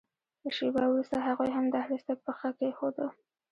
شېبه وروسته هغوی هم دهلېز ته پښه کېښوده.